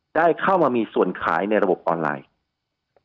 ได้เข้ามามีส่วนขายในระบบออนไลน์